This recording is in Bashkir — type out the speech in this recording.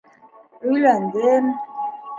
Өйләндем.